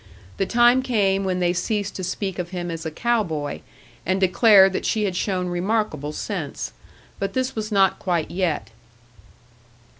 The time came when they ceased to speak of him as a cow boy, and declared that she had shown remarkable sense. But this was not quite yet.